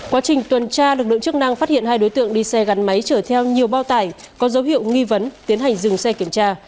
quá trình tuần tra lực lượng chức năng phát hiện hai đối tượng đi xe gắn máy chở theo nhiều bao tải có dấu hiệu nghi vấn tiến hành dừng xe kiểm tra